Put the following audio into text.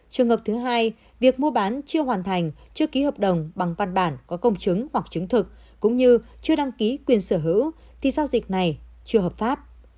trường hợp thứ hai việc mua bán chưa hoàn thành chưa ký hợp đồng bằng văn bản có công chứng hoặc chứng thực cũng như chưa đăng ký quyền sở hữu thì giao dịch này chưa hợp pháp